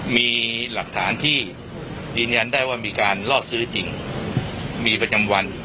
มีหลักฐานที่ยืนยันได้ว่ามีการลอกซื้อจริงมีประจำวัน